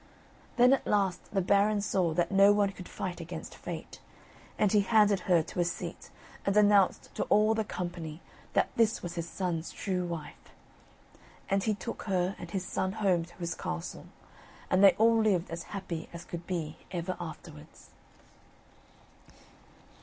Then at last the Baron saw that no one could fight against Fate, and he handed her to a seat and announced to all the company that this was his son's true wife; and he took her and his son home to his castle; and they all lived as happy as could be ever afterwards.